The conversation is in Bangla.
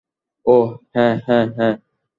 ওহ, হ্যা, হ্যা হ্যা।